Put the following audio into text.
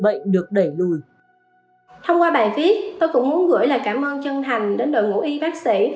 bệnh được đẩy lùi thông qua bài viết tôi cũng muốn gửi lời cảm ơn chân thành đến đội ngũ y bác sĩ